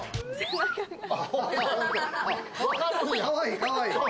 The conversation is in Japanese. かわいい、かわいい。